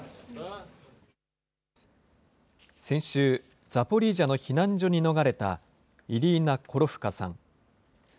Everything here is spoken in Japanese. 先週、ザポリージャの避難所に逃れた、イリーナ・コロフカさん。